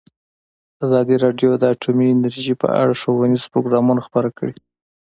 ازادي راډیو د اټومي انرژي په اړه ښوونیز پروګرامونه خپاره کړي.